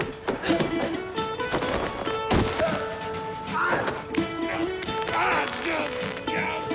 あっ。